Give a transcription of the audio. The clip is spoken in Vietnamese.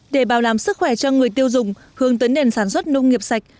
để bảo đảm sức khỏe cho người tiêu dùng hướng tới nền sản xuất nông nghiệp sạch